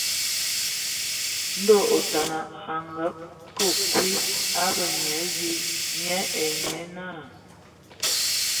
Ndɔ otana a ake kwi ábe Nyia Mvi nye ai nye náa.